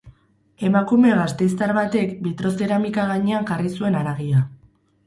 Emakume gasteiztar batek bitrozeramika gainean jarri zuen haragia.